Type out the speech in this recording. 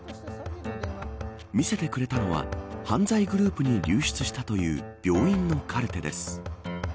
見せてくれたのは犯罪グループに流出したという病院のカルテです。